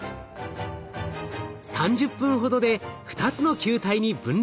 ３０分ほどで２つの球体に分裂。